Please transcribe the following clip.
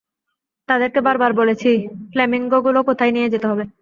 তাদেরকে বারবার বলেছি ফ্ল্যামিঙ্গোগুলো কোথায় নিয়ে যেতে হবে।